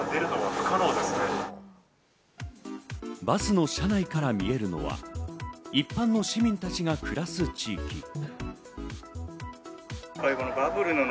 バスの車内から見えるのは一般の市民たちが暮らす地域。